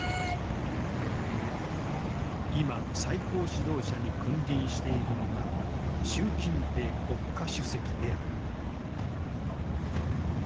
今最高指導者に君臨しているのが習近平国家主席である。